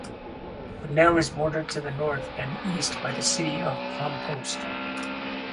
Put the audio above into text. Bunnell is bordered to the north and east by the city of Palm Coast.